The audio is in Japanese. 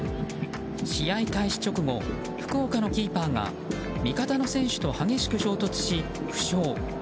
試合開始直後、福岡のキーパーが味方の選手と激しく衝突し、負傷。